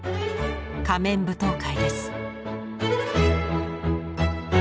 仮面舞踏会です。